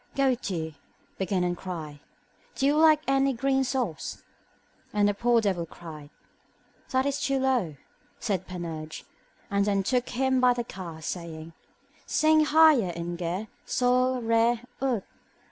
Go to, begin and cry, Do you lack any green sauce? and the poor devil cried. That is too low, said Panurge; then took him by the ear, saying, Sing higher in Ge, sol, re, ut.